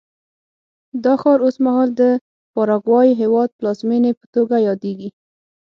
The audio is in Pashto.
دا ښار اوس مهال د پاراګوای هېواد پلازمېنې په توګه یادېږي.